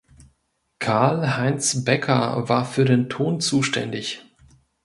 Carl Heinz Becker war für den Ton zuständig.